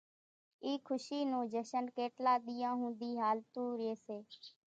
اِي کشي نون جشن ڪيٽلان ۮيان ۿوڌي ھالتون رئي سي